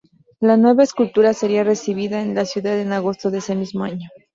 La nueva escultura sería recibida en la ciudad en agosto de ese mismo año.